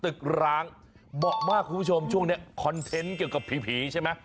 กร้างเหมาะมากคุณผู้ชมช่วงนี้คอนเทนต์เกี่ยวกับผีใช่ไหม